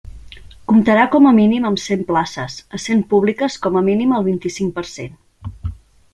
Comptarà com a mínim amb cent places, essent públiques com a mínim el vint-i-cinc per cent.